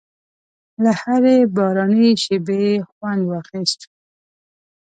له هرې باراني شېبې خوند واخیست.